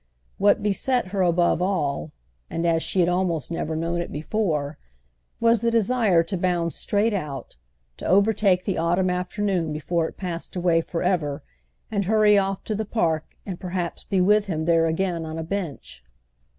What beset her above all, and as she had almost never known it before, was the desire to bound straight out, to overtake the autumn afternoon before it passed away for ever and hurry off to the Park and perhaps be with him there again on a bench.